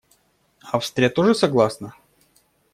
Австрия тоже согласна?